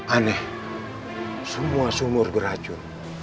aneh semua sumur beracun